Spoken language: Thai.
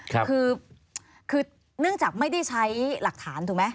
คือคือเนื่องจากไม่ได้ใช้หลักฐานถูกไหม